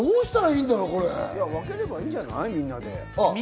みんなで分ければいいんじゃない？